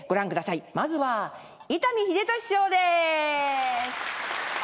まずは伊丹秀敏師匠です。